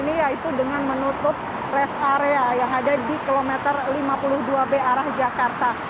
ini yaitu dengan menutup rest area yang ada di kilometer lima puluh dua b arah jakarta